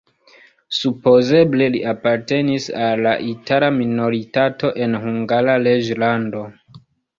Supozeble li apartenis al la itala minoritato en Hungara reĝlando.